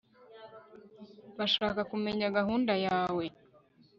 bashaka kumenya gahunda yawe